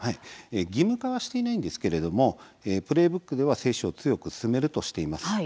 義務化はしていないんですが、プレーブックでは接種を強く勧めるとしています。